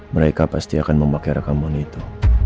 mereka pasti akan memakai rekaman itu